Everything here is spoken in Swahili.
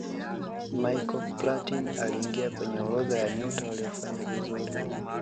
michael platin aliingia kwenye orodha ya nyota waliofanya vizuri